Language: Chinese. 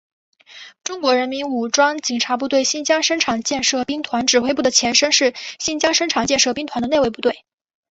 中国人民武装警察部队新疆生产建设兵团指挥部的前身是新疆生产建设兵团的内卫部队。